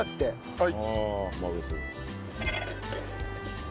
はい。